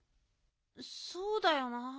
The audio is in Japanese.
そうだよな。